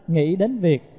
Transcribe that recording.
nghĩ đến việc